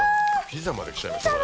ピザまで来ちゃいました。